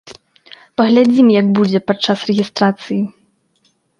Паглядзім як будзе падчас рэгістрацыі.